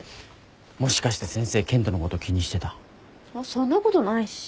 そんなことないし。